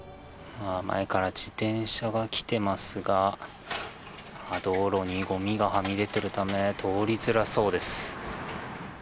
前から自転車が来てますが道路にゴミがはみ出ているため通りづらそうです。